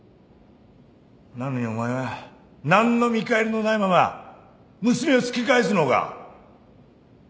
なのにお前は何の見返りのないまま娘を突き返すのか。